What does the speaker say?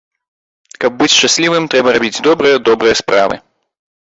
Каб быць шчаслівым, трэба рабіць добрыя добрыя справы.